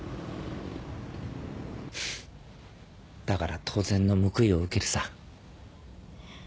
だから当然の報いを受けるさ。